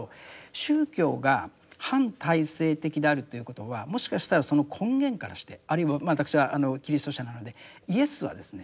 宗教が反体制的であるということはもしかしたらその根源からしてあるいは私はキリスト者なのでイエスはですね